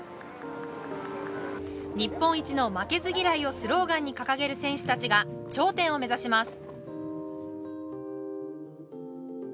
「日本一の負けず嫌い」をスローガンに掲げる選手たちが頂点を目指します！